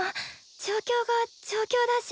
状況が状況だし。